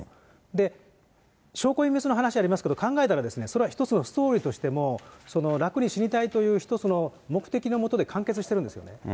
で、証拠隠滅の話ありますけど、考えたら、それは一つのストーリーとしても、楽に死にたいという一つの目的の下で完結してるんですよね。